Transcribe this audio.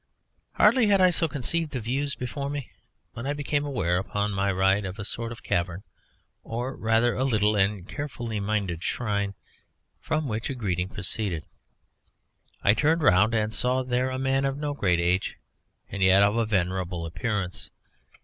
Hardly had I so conceived the view before me when I became aware, upon my right, of a sort of cavern, or rather a little and carefully minded shrine, from which a greeting proceeded. I turned round and saw there a man of no great age and yet of a venerable appearance.